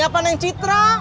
apa neng citra